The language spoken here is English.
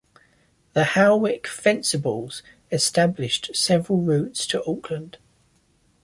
The Howick Fencibles established several routes to Auckland.